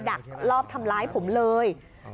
ดักลอบทำร้ายผมเลย